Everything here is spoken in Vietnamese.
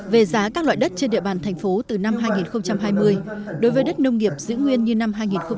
về giá các loại đất trên địa bàn thành phố từ năm hai nghìn hai mươi đối với đất nông nghiệp giữ nguyên như năm hai nghìn một mươi chín